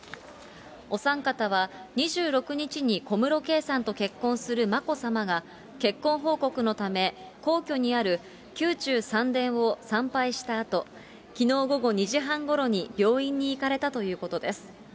お三方は２６日に小室圭さんと結婚する眞子さまが、結婚報告のため、皇居にある宮中三殿を参拝したあと、きのう午後２時半ごろに病院に行かれたということです。